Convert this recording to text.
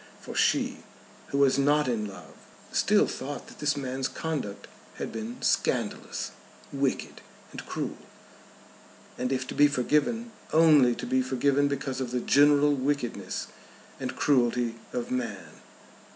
For she, who was not in love, still thought that this man's conduct had been scandalous, wicked, and cruel; and, if to be forgiven, only to be forgiven because of the general wickedness and cruelty of man.